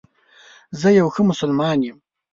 زه یو ښه مسلمان یم